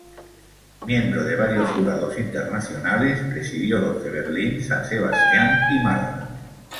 Miembro de varios jurados internacionales, presidió los de Berlín, San Sebastián y Málaga.